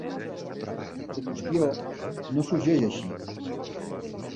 La qüestió no sorgeix així.